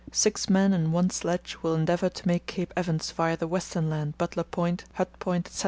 Six men and one sledge will endeavour to make Cape Evans via the western land, Butler Point, Hut Point, etc.